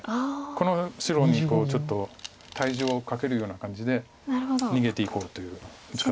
この白にちょっと体重をかけるような感じで逃げていこうという打ち方です。